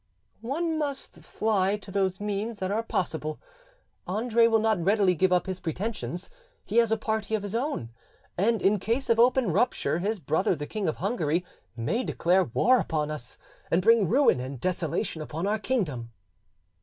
"One must fly to those means that are possible. Andre will not readily give up his pretensions: he has a party of his own, and in case of open rupture his brother the King of Hungary may declare war upon us, and bring ruin and desolation upon our kingdom."